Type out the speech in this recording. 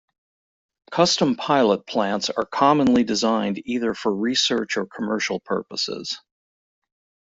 Custom pilot plants are commonly designed either for research or commercial purposes.